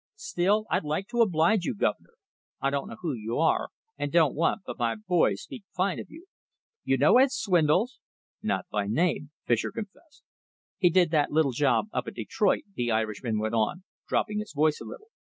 Still, I'd like to oblige you, guv'nor. I don't know who you are, and don't want, but my boys speak fine of you. You know Ed Swindles?" "Not by name," Fischer confessed. "He did that little job up at Detroit," the Irishman went on, dropping his voice a little.